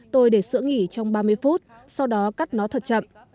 tôi để sửa nghỉ trong ba mươi phút sau đó cắt nó thật chậm